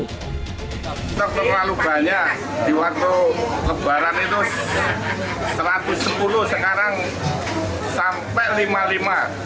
kita terlalu banyak di waktu lebaran itu satu ratus sepuluh sekarang sampai lima puluh lima